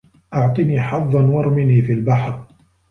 اعطني حظاً وارمني في البحر